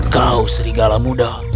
kau serigala muda